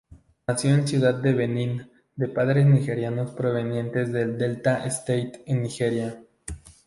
Nació en Ciudad de Benín de padres nigerianos provenientes del Delta State en Nigeria.